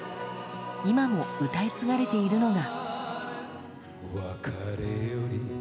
今も歌い継がれているのが。